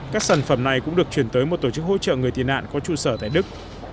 các sản phẩm này cũng được chuyển tới một tổ chức hỗ trợ người tị nạn có trụ sở tại đức